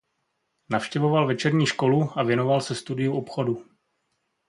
Navštěvoval večerní školu a věnoval se studiu obchodu.